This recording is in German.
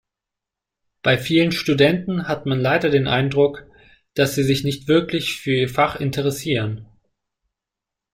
Bei vielen Studenten hat man leider den Eindruck, dass sie sich nicht wirklich für ihr Fach interessieren.